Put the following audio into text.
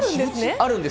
あるんです。